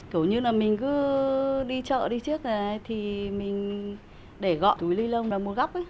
kiểu như là mình cứ đi chợ đi trước này thì mình để gọi túi ni lông vào mùa góc